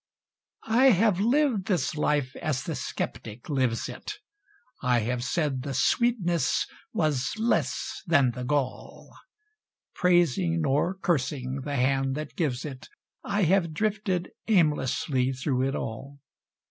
I have lived this life as the skeptic lives it; I have said the sweetness was less than the gall; Praising, nor cursing, the Hand that gives it, I have drifted aimlessly through it all.